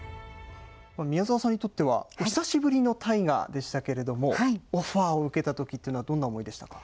宮沢さんにとっては久しぶりの大河でしたけれども、オファーを受けたときっていうのは、どんな思いでしたか。